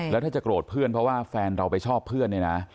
แล้วถ้าจะโกรธเพื่อนเพราะว่าแฟนเราไปชอบเพื่อนเนี่ยนะ